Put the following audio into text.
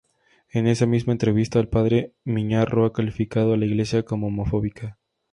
En esa misma entrevista, el padre Miñarro ha calificado a la Iglesia como "homofóbica".